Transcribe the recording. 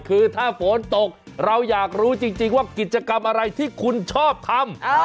คือถ้าฝนตกเราอยากรู้จริงว่ากิจกรรมอะไรที่คุณชอบทำ